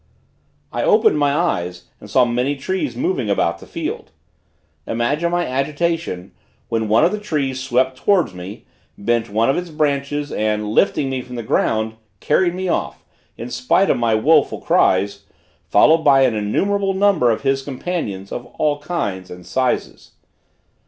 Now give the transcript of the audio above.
I opened my eyes and saw many trees moving about the field. Imagine my agitation, when one of the trees swept towards me, bent one of its branches, and, lifting me from the ground, carried me off, in spite of my woful cries, followed by an innumerable number of its companions of all kinds and sizes.